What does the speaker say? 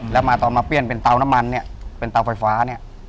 แล้วมาตอนมาเปลี่ยนเป็นเตาน้ำมันเนี่ยเป็นเตาไฟฟ้าเนี่ย